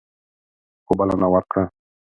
خو بلنه ورکړه.